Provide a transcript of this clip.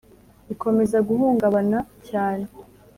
ikomeza guhungabana cyane.